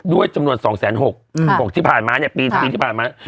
โดยจำนวน๒๖๓๖ปีที่ผ่านมา